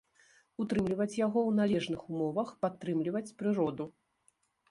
Утрымліваць яго ў належных умовах, падтрымліваць прыроду.